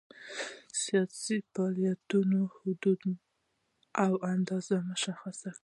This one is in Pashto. سیاست د فعالیتونو حدود او اندازه مشخص کوي.